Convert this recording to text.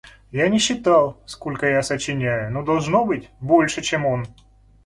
Я не считал, сколько я сочиняю, но должно быть, больше, чем он.